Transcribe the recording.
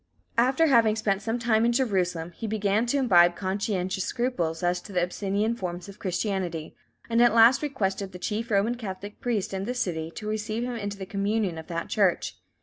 After having spent some time in Jerusalem, he began to imbibe conscientious scruples as to the Abyssinian forms of Christianity, and at last requested the chief Roman Catholic priest in the city to receive him into the communion of that Church.